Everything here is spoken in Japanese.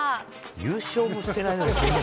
優勝もしてないのにこんな。